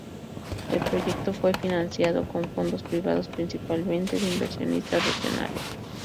El proyecto fue financiado con fondos privados, principalmente de inversionistas regionales.